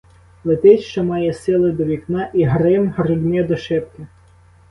Летить що має сили до вікна і — грим грудьми до шибки.